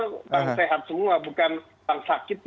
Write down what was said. bank sehat semua bukan bank sakit